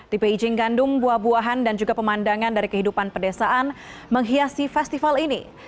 tipe ijing gandum buah buahan dan juga pemandangan dari kehidupan pedesaan menghiasi festival ini